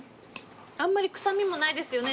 あんまり臭みもないですよね。